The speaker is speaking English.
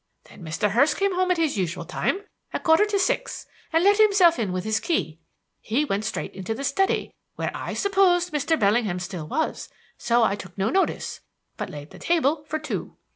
Then Mr. Hurst came home at his usual time a quarter to six and let himself in with his key. He went straight into the study where I supposed Mr. Bellingham still was, so I took no notice, but laid the table for two.